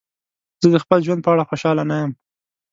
زه د خپل ژوند په اړه خوشحاله نه یم.